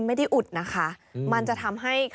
แต่ว่าก่อนอื่นเราต้องปรุงรสให้เสร็จเรียบร้อย